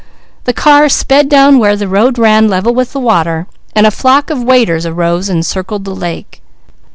The car sped down where the road ran level with the water. A flock of waders arose and circled the lake.